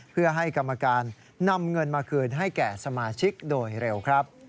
เพื่อให้กรรมการนำเงินมาคืนให้แก่สมาชิกโดยเร็วครับ